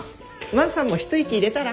万さんも一息入れたら？